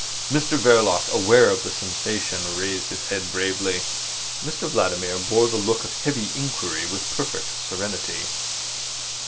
Mr Verloc, aware of the sensation, raised his head bravely. Mr Vladimir bore the look of heavy inquiry with perfect serenity.